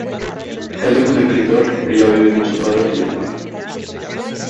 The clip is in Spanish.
Él es un escritor, ella vive con su padre y hermana.